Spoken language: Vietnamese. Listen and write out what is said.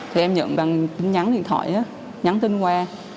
thì em nhận bằng tin nhắn điện thoại nhắn tin qua